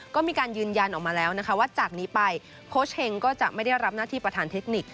ก็มีการยืนยันออกมาแล้วนะคะว่าจากนี้ไปโค้ชเฮงก็จะไม่ได้รับหน้าที่ประธานเทคนิค